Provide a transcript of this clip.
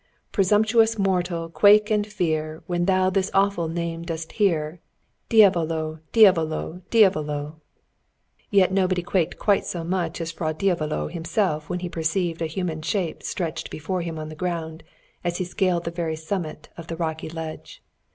"Presumptuous mortal, quake and fear When thou his awful name dost hear: Diavolo, Diavolo, Diavolo!" Yet nobody quaked so much as Fra Diavolo himself, when he perceived a human shape stretched before him on the ground as he scaled the very summit of the rocky ledge.